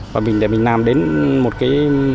và mình để mình làm đến một cái